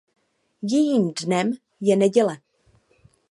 Jejím dnem je neděle.